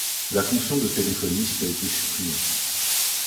La fonction de téléphoniste a été supprimée.